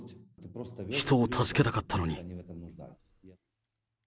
人を助けたかったのに。